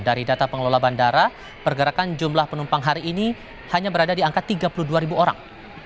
dari data pengelola bandara pergerakan jumlah penumpang hari ini hanya berada di angka tiga puluh dua orang